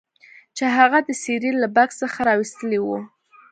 چې هغه د سیریل له بکس څخه راویستلی و